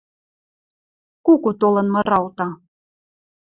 Куку толын мыралта